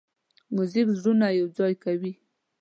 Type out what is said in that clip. موزیک زړونه یوځای کوي.